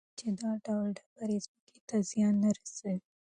هغه وایي چې دا ډول ډبرې ځمکې ته زیان نه رسوي.